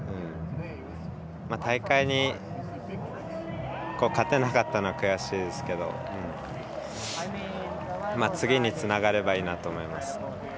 大会に勝てなかったのは悔しいですけど次につながればいいなと思います。